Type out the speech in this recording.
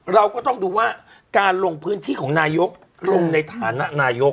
เราก็ต้องดูว่าการลงพื้นที่ของนายกลงในฐานะนายก